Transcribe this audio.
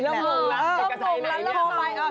ตอนนี้เริ่มรู้ละพี่เอกชัยร็ะ